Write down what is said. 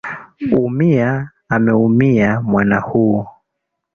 Umia ameumia mwana huu.